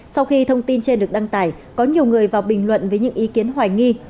sau khi thông tin trên được đăng tải có nhiều người vào bình luận với những ý kiến hoài nghi